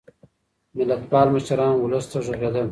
ملتپال مشران ولس ته غږېدل.